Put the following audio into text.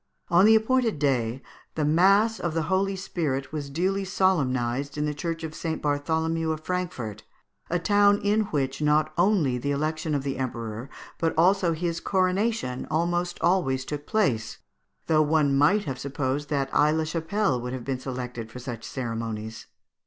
On the appointed day, the mass of the Holy Spirit was duly solemnized in the Church of St. Bartholomew of Frankfort, a town in which not only the election of the Emperor, but also his coronation, almost always took place, though one might have supposed that Aix la Chapelle would have been selected for such ceremonies.